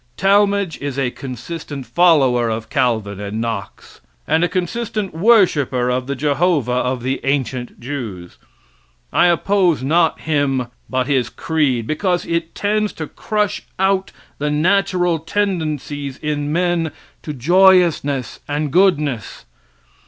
Talmage is a consistent follower of Calvin and Knox, and a consistent worshiper of the Jehovah of the ancient Jews. I oppose not him, but his creed, because it tends to crush out the natural tendencies in men to joyousness and goodness.